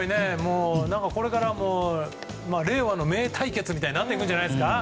これから令和の名対決みたいになっていくんじゃないですか。